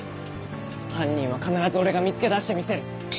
犯人は必ず俺が見つけ出してみせる。